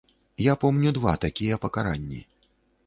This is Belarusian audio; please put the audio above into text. Я помню два такія пакаранні.